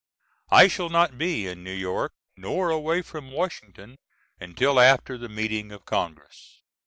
I shall not be in New York, nor away from Washington, until after the meeting of Congress.